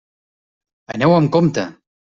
Aneu amb compte!